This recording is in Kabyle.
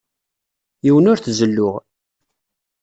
Yiwen ur t-zelluɣ.